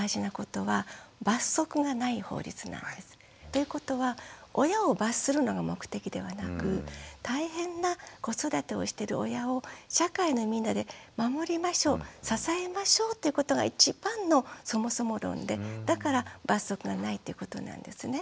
ということは親を罰するのが目的ではなく大変な子育てをしてる親を社会のみんなで守りましょう支えましょうっていうことが一番のそもそも論でだから罰則がないってことなんですね。